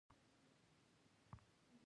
دوی وږي شوو.